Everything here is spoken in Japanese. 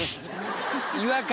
違和感。